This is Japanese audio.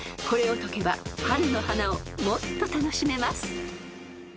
［これを解けば春の花をもっと楽しめます］